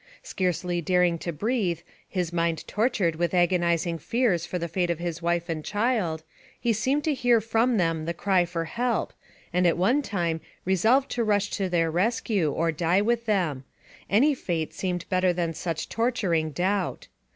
Scarcely daring to breathe, his mind tortured with agonizing fears for the fate of his wife and child, he seemed to hear from them the cry for help, and at one time resolved to rush to their rescue, or die with them; any fate seemed better than such torturing doubt.